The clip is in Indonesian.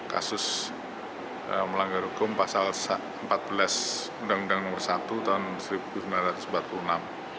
kasus melanggar hukum pasal empat belas undang undang nomor satu tahun seribu sembilan ratus empat puluh enam